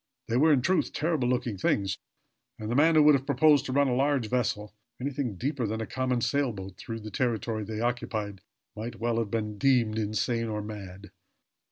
They were, in truth, terrible looking things and the man who would have proposed to run a large vessel, anything deeper than a common sailboat, through the territory they occupied might well have been deemed insane or mad.